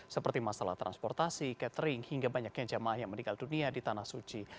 seperti masalah transportasi catering hingga banyaknya jamaah yang meninggal dunia di tanah suci